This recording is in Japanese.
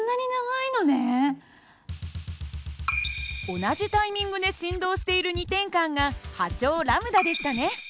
同じタイミングで振動している２点間が波長λでしたね。